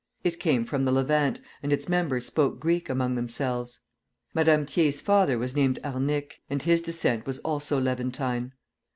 It came from the Levant, and its members spoke Greek among themselves. Madame Thiers' father was named Arnic, and his descent was also Levantine.